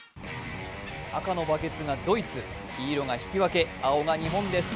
赤のバケツがドイツ、黄色が引き分け、青が日本です。